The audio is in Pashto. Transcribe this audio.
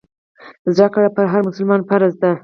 زده کړه پر هر مسلمان فرض دی.